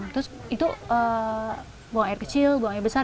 terus itu buang air kecil buang air besar